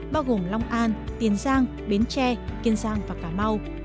bao gồm long an tiền giang bến tre kiên giang và cà mau